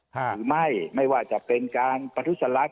หรือไม่ไม่ว่าจะเป็นการปฏิเสริฐ